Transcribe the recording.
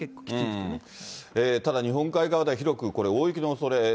ただ、日本海側では広くこれ、大雪のおそれ。